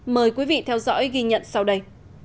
mời quý vị theo dõi ghi nhận sau đây